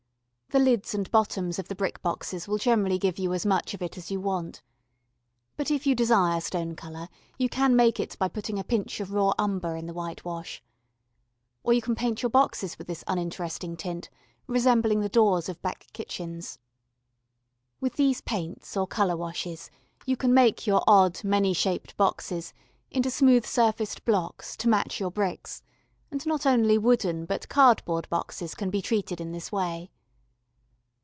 The lids and bottoms of the brick boxes will generally give you as much of it as you want. But if you desire stone colour you can make it by putting a pinch of raw umber in the whitewash. Or you can paint your boxes with this uninteresting tint resembling the doors of back kitchens. With these paints or colour washes you can make your odd many shaped boxes into smooth surfaced blocks to match your bricks: and not only wooden, but cardboard boxes can be treated in this way.